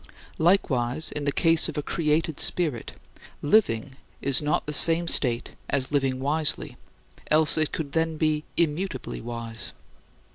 Likewise, in the case of a created spirit, living is not the same state as living wisely; else it could then be immutably wise.